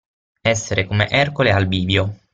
Essere come Ercole al bivio.